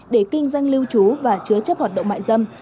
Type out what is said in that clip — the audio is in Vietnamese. để kinh doanh lưu trú và chứa chấp hoạt động mại dâm